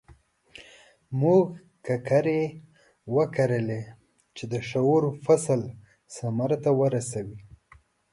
موږ ککرې وکرلې چې د شعور فصل ثمر ته ورسوي.